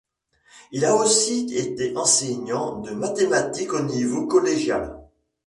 Il a aussi été enseignant de mathématiques au niveau collégial.